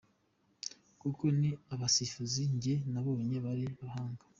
Kuko ni abasifuzi njye nabonye bari abahanga”.